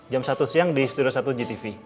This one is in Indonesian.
jam satu siang di studio satu g tv